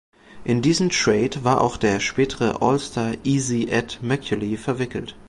In diesen Trade war auch der spätere All-Star "Easy" Ed Macauley verwickelt.